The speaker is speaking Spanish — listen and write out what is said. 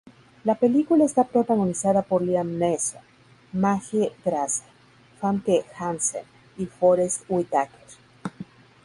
La película está protagonizada por Liam Neeson, Maggie Grace, Famke Janssen y Forest Whitaker.